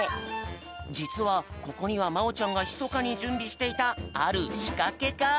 じつはここにはまおちゃんがひそかにじゅんびしていたあるしかけが。